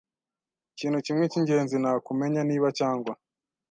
Ikintu kimwe cyingenzi nukumenya niba cyangwa